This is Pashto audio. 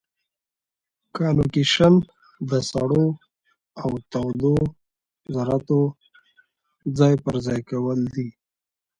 کانویکشن د سړو او تودو ذرتو ځای پر ځای کول دي.